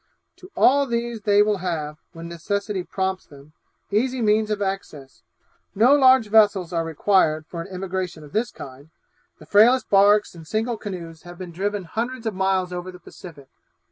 To all these they will have, when necessity prompts them, easy means of access. No large vessels are required for an emigration of this kind; the frailest barks and single canoes have been driven hundreds of miles over the Pacific.